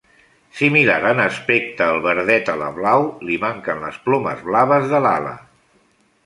Similar en aspecte al verdet alablau, li manquen les plomes blaves de l'ala.